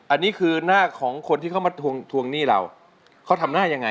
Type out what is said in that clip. อันนี้คือหน้าของคนที่เขามาทวงทวงหนี้เราเขาทำหน้ายังไง